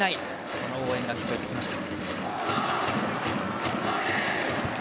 そんな応援が聞こえてきました。